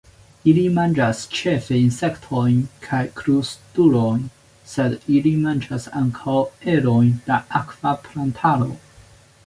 Ili manĝas ĉefe insektojn kaj krustulojn, sed ili manĝas ankaŭ erojn da akva plantaro.